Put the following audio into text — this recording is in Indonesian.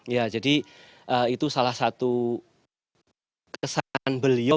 ya jadi itu salah satu kesan beliau